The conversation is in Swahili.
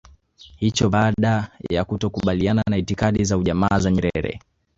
hicho baada ya kutokukubaliana na itikadi za ujamaa za Nyerere